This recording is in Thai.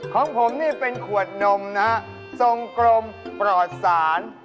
ของผมนี่เป็นขวดนมนะฮะทรงกลมปลอดศาล